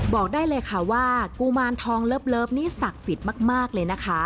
บอกได้เลยค่ะว่ากุมารทองเลิฟนี่ศักดิ์สิทธิ์มากเลยนะคะ